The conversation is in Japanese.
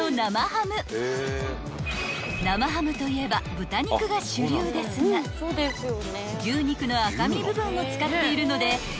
［生ハムといえば豚肉が主流ですが牛肉の赤身部分を使っているので］